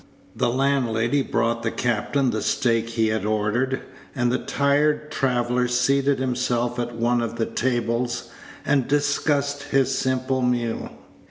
The landlady brought the captain the steak he had ordered, and the tired traveller seated himself at one of the tables, and discussed his simple meal.